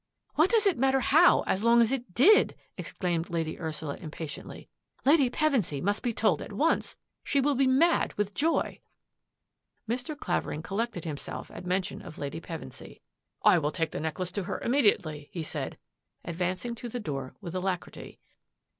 " What does it matter how as long as it did! " exclaimed Lady Ursula impatiently. " Lady Pevensy must be told at once. She will be mad with joy." Mr. Clavering collected himself at mention of Lady Pevensy. " I will take the necklace to her immediately," he said, advancing to the door with alacrity.